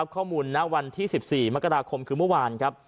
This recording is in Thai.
ข้อมูลนที่๑๔มกราคมคือเมื่อวาน